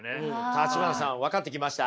橘さん分かってきました？